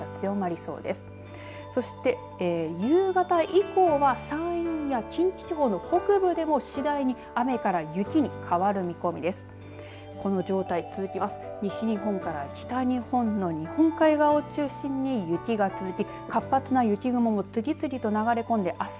そして、夕方以降は山陰や近畿地方の北部でも次第に雨から雪に変わる見込みです。